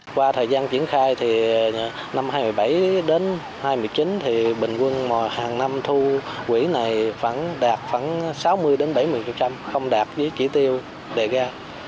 qua thời gian triển khai thì năm hai nghìn một mươi bảy đến hai nghìn một mươi chín thì bình quân hàng năm thu quỹ này đạt khoảng sáu mươi bảy mươi không đạt với chỉ tiêu đề ra